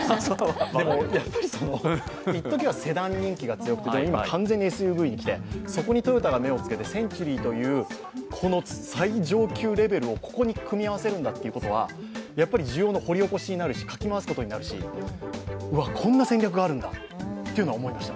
でも、いっときはセダン人気が強くて、今、完全にＳＵＶに来て、センチュリーというこの最上級レベルをここに組み合わせるんだということはやっぱり需要の掘り起こしになるしかき回すことになるしうわ、こんな戦略があるんだって思いました。